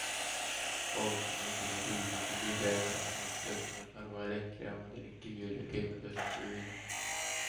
Pauls on endine Riigikogu liige ja varasemalt töötanud Narva Elektrijaamade ning Kiviõli Keemiatööstuse juhina.